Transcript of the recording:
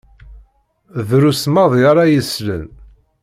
Drus maḍi ara yeslen.